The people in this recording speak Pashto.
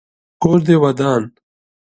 کور دي ودان .